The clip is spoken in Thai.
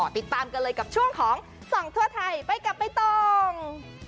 ติดตามกันเลยกับช่วงของส่องทั่วไทยไปกับใบตอง